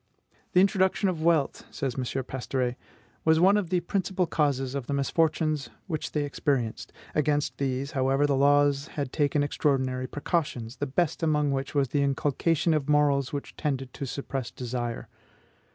"The introduction of wealth," says M. Pastoret, "was one of the principal causes of the misfortunes which they experienced. Against these, however, the laws had taken extraordinary precautions, the best among which was the inculcation of morals which tended to suppress desire."